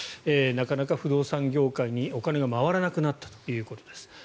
なかなか不動産業界にお金が回らなくなったということです。